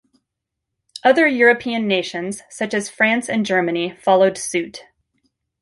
Other European nations, such as France and Germany, followed suit.